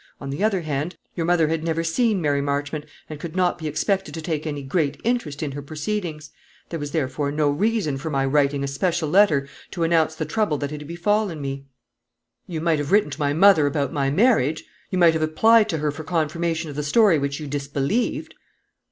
On the other hand, your mother had never seen Mary Marchmont, and could not be expected to take any great interest in her proceedings. There was, therefore, no reason for my writing a special letter to announce the trouble that had befallen me." "You might have written to my mother about my marriage. You might have applied to her for confirmation of the story which you disbelieved."